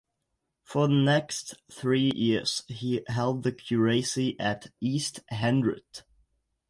For the next three years he held the curacy at East Hendred.